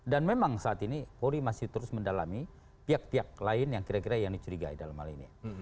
dan memang saat ini polri masih terus mendalami pihak pihak lain yang kira kira yang dicurigai dalam hal ini